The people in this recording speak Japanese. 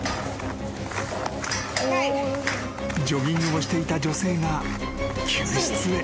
［ジョギングをしていた女性が救出へ］